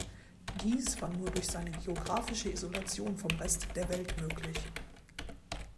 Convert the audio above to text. Dies war nur durch seine geografische Isolation vom Rest der Welt möglich.